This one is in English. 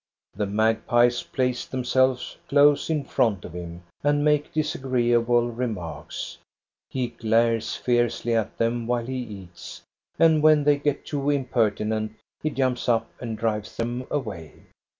The magpies place themselves close in front of him, and make disagreeable remarks. He glares fiercely at them, while he eats, and when they get too impertinent, he jumps up and drives them away.